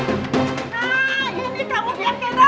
sobri gak tau mah